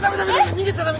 逃げちゃダメ！